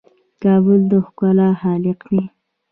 ګل د ښکلا خالق دی.